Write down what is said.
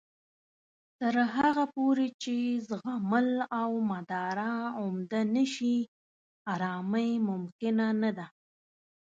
تر هغه پورې چې زغمل او مدارا عمده نه شي، ارامۍ ممکنه نه ده